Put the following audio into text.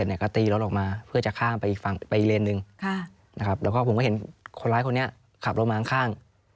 แล้วก็ผมก็เห็นคนร้ายคนเนี่ยขับโรงโรงพยาบาลมาข้าง